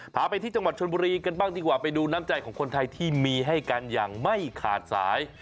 พาไปที่จังหวัดชนบุรีกันบ้างดีกว่าไปดูน้ำใจของคนไทยที่มีให้กันอย่างไม่ขาดสาย